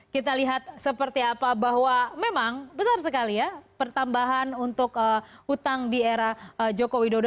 kita lihat seperti apa bahwa memang besar sekali ya pertambahan untuk utang di era joko widodo